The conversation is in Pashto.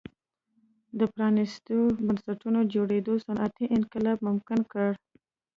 د پرانیستو بنسټونو جوړېدو صنعتي انقلاب ممکن کړ.